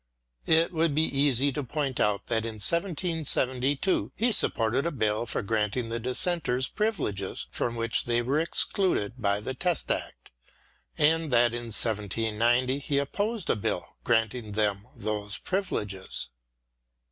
It would be easy to point out that in 1772 he supported a Bill for granting the Dissenters privileges from which they were excluded by the Test Act, and that in 1790 he opposed a Bill granting them those privileges.